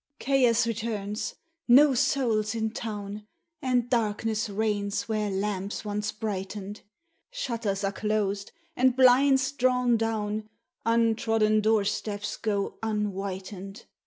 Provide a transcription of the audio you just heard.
Chaos returns! no soul's in town! And darkness reigns where lamps once brightened; Shutters are closed, and blinds drawn down Untrodden door steps go unwhitened!